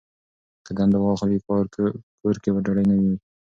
که دنده وانخلي، کور کې به ډوډۍ نه وي.